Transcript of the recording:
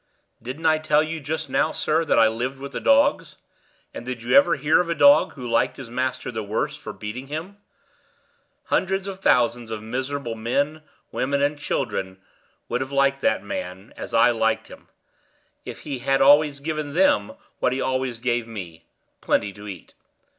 "Didn't I tell you just now, sir, that I lived with the dogs? and did you ever hear of a dog who liked his master the worse for beating him? Hundreds of thousands of miserable men, women, and children would have liked that man (as I liked him) if he had always given them what he always gave me plenty to eat.